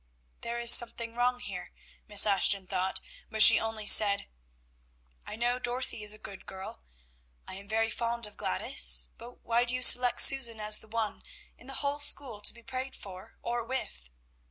"There is something wrong here," Miss Ashton thought, but she only said, "I know Dorothy is a good girl; I am very fond of Gladys; but why do you select Susan as the one in the whole school to be prayed for, or with?"